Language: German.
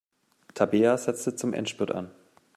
Tabea setzte zum Endspurt an.